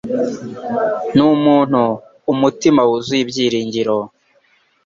Ni umuntu umutima wuzuye ibyiringiro.